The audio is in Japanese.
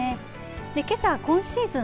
けさ今シーズン